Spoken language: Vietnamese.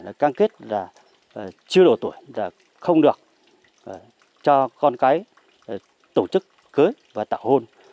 là can kết là chưa đổ tuổi là không được cho con gái tổ chức cưới và tảo hôn